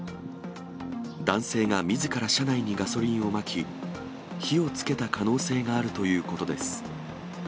男性がみずから車内にガソリンをまき、火をつけた可能性があるということです。